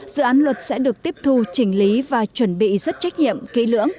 dự án luật sẽ được tiếp thu trình lý và chuẩn bị rất trách nhiệm kỹ lưỡng